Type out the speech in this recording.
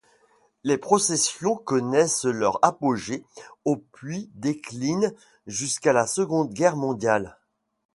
Les processions connaissent leur apogée au puis déclinent jusqu'à la Seconde Guerre mondiale.